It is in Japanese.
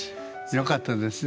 よかったですね。